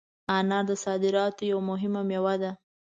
انار د صادراتو یوه مهمه مېوه ده.